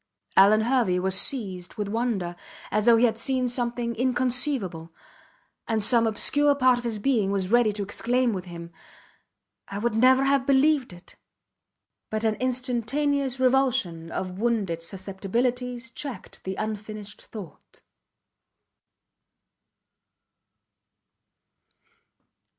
Alvan Hervey was seized with wonder, as though he had seen something inconceivable; and some obscure part of his being was ready to exclaim with him: I would never have believed it! but an instantaneous revulsion of wounded susceptibilities checked the unfinished thought.